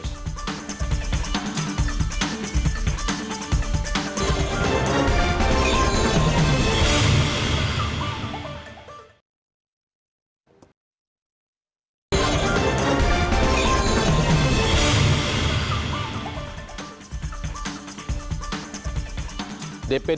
tinggal berkomunikasi dengan dpi